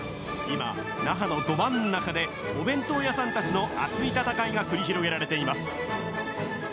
今那覇のど真ん中でお弁当屋さんたちの熱い戦いが繰り広げられています